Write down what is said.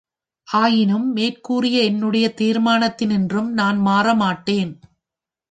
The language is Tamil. ஆயினும், மேற்கூறிய என்னுடைய தீர்மானத்தினின்றும் நான் மாறமாட்டேன்!